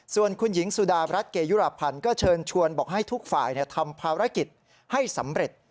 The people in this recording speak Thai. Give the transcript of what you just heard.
ส่วนคุณหญิงสุดารัฐเกยุรพันธ์ก็เชิญชวนบอกให้ทุกฝ่ายทำภารกิจให้สำเร็จ